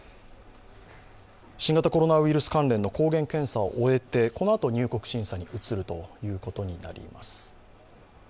新型コロナウイルス関連の抗原検査を終えてこのあと入国審査に移ることになります。